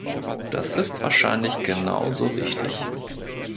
Das ist wahrscheinlich genauso wichtig.